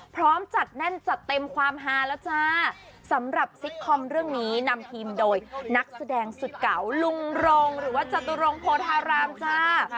พร้อมจัดแน่นจัดเต็มความฮาแล้วจ้าสำหรับซิกคอมเรื่องนี้นำทีมโดยนักแสดงสุดเก่าลุงรงหรือว่าจตุรงโพธารามจ้า